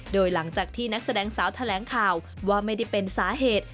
โดยหลังจากที่นักแสดงสาวแถลงข่าวว่าไม่ได้เป็นสาเหตุ